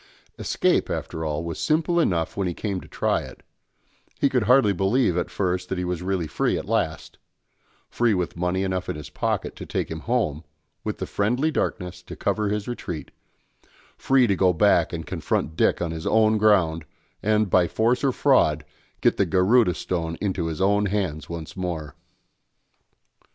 Escape, after all, was simple enough when he came to try it; he could hardly believe at first that he really was free at last; free with money enough in his pocket to take him home, with the friendly darkness to cover his retreat; free to go back and confront Dick on his own ground, and, by force, or fraud, get the Garudâ Stone into his own hands once more.